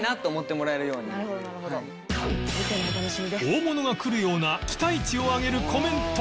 大物が来るような期待値を上げるコメント